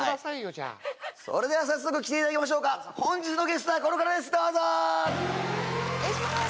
それでは早速来ていただきましょうか本日のゲストはこの方です